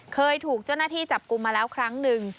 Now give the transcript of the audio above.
เคยถูกเจ้าหน้าที่จับกลุ่มมาแล้วครั้งหนึ่ง